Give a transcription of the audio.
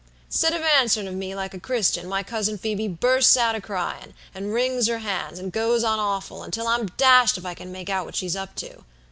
"Instead of answering of me like a Christian, my Cousin Phoebe bursts out a cryin', and wrings her hands, and goes on awful, until I'm dashed if I can make out what she's up to.